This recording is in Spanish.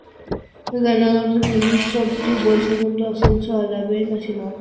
El ganador del minitorneo obtuvo el segundo ascenso a la B Nacional.